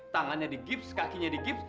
tangannya digips kakinya digips